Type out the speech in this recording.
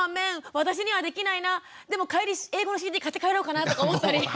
私にはできないなでも帰り英語のＣＤ買って帰ろうかなとか思ったり。